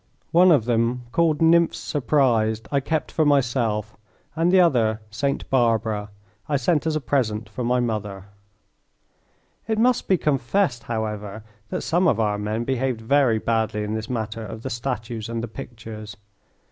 One of them, called "Nymphs Surprised," I kept for myself, and the other, "Saint Barbara," I sent as a present for my mother. It must be confessed, however, that some of our men behaved very badly in this matter of the statues and the pictures.